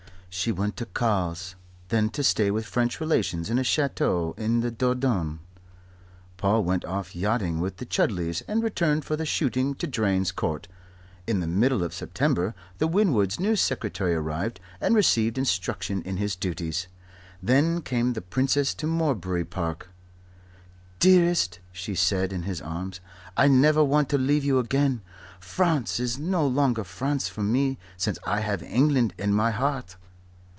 She went to Cowes, then to stay with French relations in a chateau in the Dordogne. Paul went off yachting with the Chudleys and returned for the shooting to Drane's Court. In the middle of September the Winwoods' new secretary arrived and received instruction in his duties. Then came the Princess to Morebury Park. "Dearest," she said, in his arms, "I never want to leave you again. France is no longer France for me since I have England in my heart."